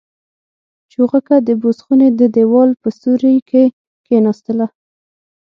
چوغکه د بوس خونې د دېوال په سوري کې کېناستله.